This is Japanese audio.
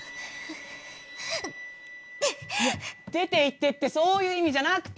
「出ていって」ってそういう意味じゃなくて！